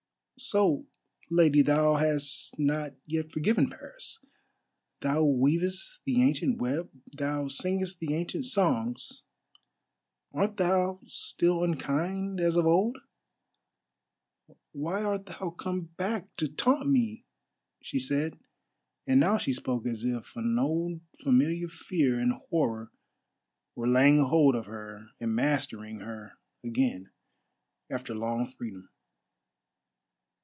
"So, lady, thou hast not yet forgiven Paris? Thou weavest the ancient web, thou singest the ancient songs—art thou still unkind as of old?" "Why art thou come back to taunt me?" she said, and now she spoke as if an old familiar fear and horror were laying hold of her and mastering her again, after long freedom.